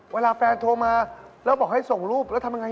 เวลาแฟนโทรมาแล้วบอกให้ส่งรูปแล้วทำยังไง